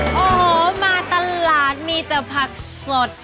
โอ้โหมาตลาดมีแต่ผักสด